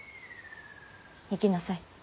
行きなさい。